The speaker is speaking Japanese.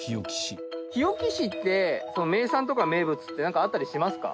日置市って名産とか名物ってなんかあったりしますか？